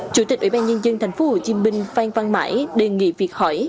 chủ tịch ủy ban nhân dân thành phố hồ chí minh phan văn mãi đề nghị việc hỏi